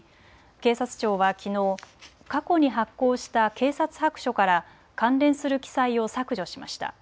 警察庁はきのう過去に発行した警察白書から関連する記載を削除しました。